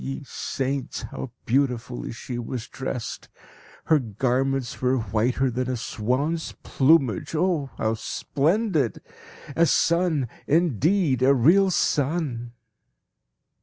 Ye saints! how beautifully she was dressed. Her garments were whiter than a swan's plumage oh how splendid! A sun, indeed, a real sun!